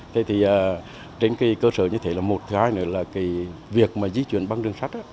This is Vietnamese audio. thế thì trên cái cơ sở như thế là một cái nữa là cái việc mà di chuyển bằng đường sắt á